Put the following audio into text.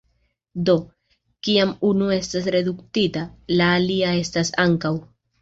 Do, kiam unu estas reduktita, la alia estas ankaŭ.